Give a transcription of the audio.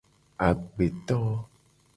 Agbeto.